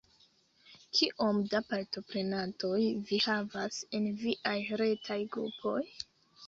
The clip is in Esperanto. Kiom da partoprenantoj vi havas en viaj retaj grupoj?